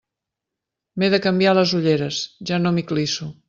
M'he de canviar les ulleres, ja no m'hi clisso.